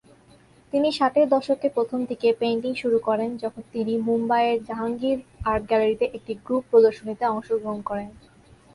তিনি ষাটের দশকের প্রথম দিকে পেইন্টিং শুরু করেন, যখন তিনি মুম্বাইয়ের জাহাঙ্গীর আর্ট গ্যালারিতে একটি গ্রুপ প্রদর্শনীতে অংশগ্রহণ করেন।